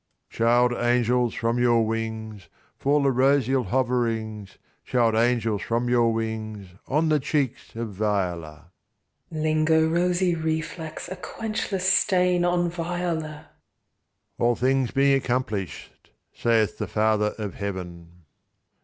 Child angels, from your wings Fall the roseal hoverings, Child angels, from your wings, On the cheeks of Viola. Angels. Linger, rosy reflex, a Quenchless stain, on Viola! All things being accomplished, saith the Father of Heaven.